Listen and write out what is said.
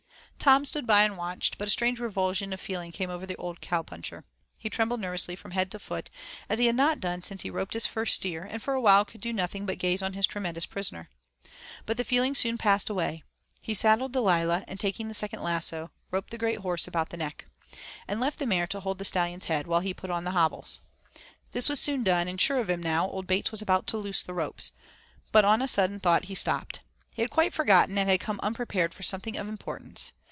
Tom stood by and watched, but a strange revulsion of feeling came over the old cow puncher. He trembled nervously from head to foot, as he had not done since he roped his first steer, and for a while could do nothing but gaze on his tremendous prisoner. But the feeling soon passed away. He saddled Delilah, and taking the second lasso, roped the great horse about the neck, and left the mare to hold the Stallion's head, while he put on the hobbles. This was soon done, and sure of him now old Bates was about to loose the ropes, but on a sudden thought he stopped. He had quite forgotten, and had come unprepared for something of importance.